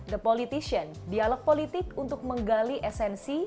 the politician dialog politik untuk menggali esensi